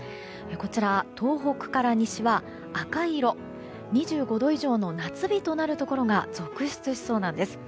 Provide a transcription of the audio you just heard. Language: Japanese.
こちら、東北から西は赤色２５度以上の夏日となるところが続出しそうなんです。